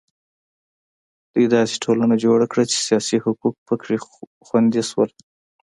دوی داسې ټولنه جوړه کړه چې سیاسي حقوق په کې خوندي شول.